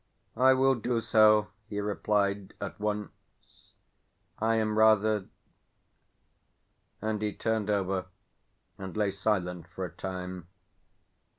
"I will do so," he replied, " at once I am rather " And he turned over, and lay silent for a time.